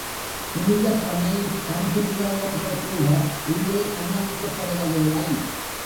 புனிதப் பண்ணையில் பணிபுரிபவர்கள் கூட உள்ளே அனுமதிக்கப்படுவதில்லை.